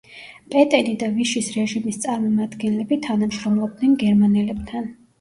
პეტენი და ვიშის რეჟიმის წარმომადგენლები, თანამშრომლობდნენ გერმანელებთან.